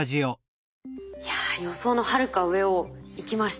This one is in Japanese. いや予想のはるか上を行きました。